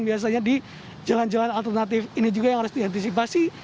biasanya di jalan jalan alternatif ini juga yang harus diantisipasi